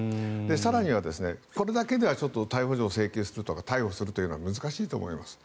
更にはこれだけでは逮捕状を請求するとか逮捕するというのは難しいと思います。